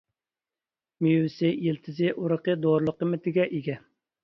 مېۋىسى، يىلتىزى، ئۇرۇقى دورىلىق قىممىتىگە ئىگە.